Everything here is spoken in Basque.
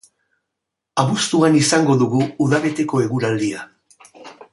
Abuztuan izango dugu uda beteko eguraldia.